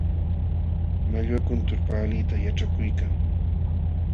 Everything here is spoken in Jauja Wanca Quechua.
Mallwa kuntur paalita yaćhakuykan.